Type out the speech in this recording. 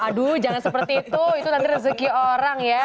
aduh jangan seperti itu itu nanti rezeki orang ya